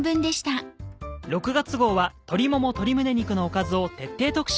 ６月号は鶏もも鶏胸肉のおかずを徹底特集。